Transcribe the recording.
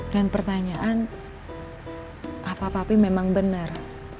dan pertanyaan apakah papih memang benar